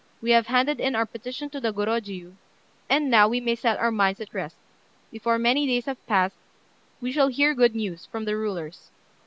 We have handed in our petition to the Gorôjiu, and now we may set our minds at rest; before many days have passed, we shall hear good news from the rulers.